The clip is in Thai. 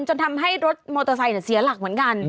จนทำให้รถมอเตอร์ไซค์เสียหลักเหมือนกัน